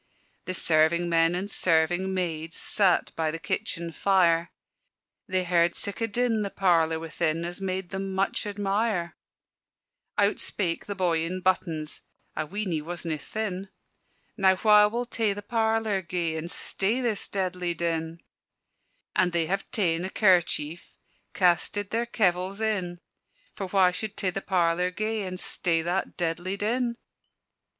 The serving men and serving maids Sat by the kitchen fire: They heard sic' a din the parlour within As made them much admire. [Illustration: "O HUSH THEE, GENTLE POPINJAY!"] Out spake the boy in buttons (I ween he wasna thin), "Now wha will tae the parlour gae, And stay this deadlie din?" And they have taen a kerchief, Casted their kevils in, For wha should tae the parlour gae, And stay that deadlie din.